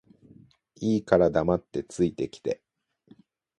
いいから黙って着いて来て